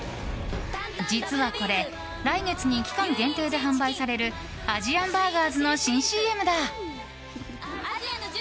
実はこれ来月に期間限定で販売されるアジアンバーガーズの新ＣＭだ。